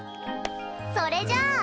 それじゃあ。